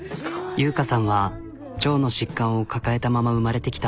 優果さんは腸の疾患を抱えたまま生まれてきた。